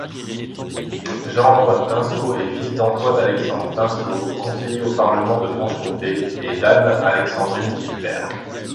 Jean-Antoine Tinseau est fils d'Antoine-Alexandre Tinseau, conseiller au parlement de Franche-Comté, et d'Anne-Alexandrine Gilbert.